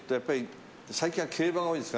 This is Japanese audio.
最近は競馬が多いです。